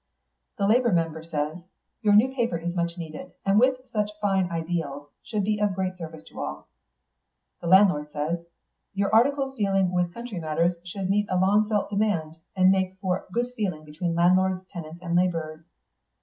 The labour member says, 'Your new paper is much needed, and with such fine ideals should be of great service to all.' The landlord says, 'Your articles dealing with country matters should meet a long felt demand, and make for good feeling between landlords, tenants and labourers.